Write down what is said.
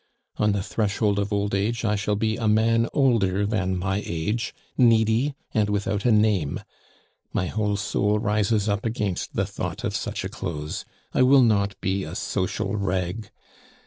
On the threshold of old age I shall be a man older than my age, needy and without a name. My whole soul rises up against the thought of such a close; I will not be a social rag.